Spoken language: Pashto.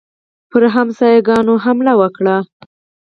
پر ګاونډیانو حمله وکړي.